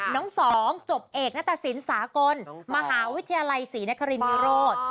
น้องสองจบเอกหน้าตะสินสากลมหาวิทยาลัยศรีนคริมมิโรธ